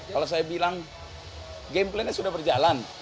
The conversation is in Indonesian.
kalau saya bilang game plannya sudah berjalan